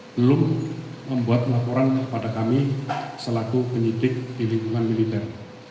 belum membuat laporan kepada kami selaku penyidik di lingkungan militer